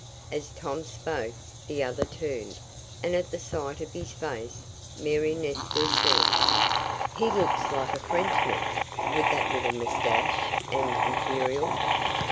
As Tom spoke the other turned, and at the sight of his face Mary Nestor said: "He looks like a Frenchman, with that little mustache and imperial."